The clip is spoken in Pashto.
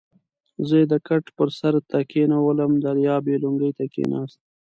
زه یې د کټ بر سر ته کېنولم، دریاب یې لنګې ته کېناست.